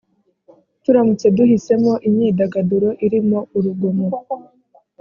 turamutse duhisemo imyidagaduro irimo urugomo